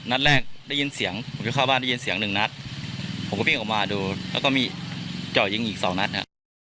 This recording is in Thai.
นัดแรกได้ยินเสียงผมจะเข้าบ้านได้ยินเสียงหนึ่งนัดผมก็วิ่งออกมาดูแล้วก็มีเจาะยิงอีกสองนัดครับ